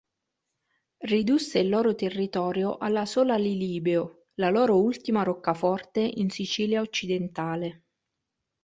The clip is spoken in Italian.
Ridusse il loro territorio alla sola Lilibeo, la loro ultima roccaforte in Sicilia occidentale.